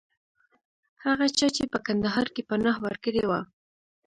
هغه چا چې په کندهار کې پناه ورکړې وه.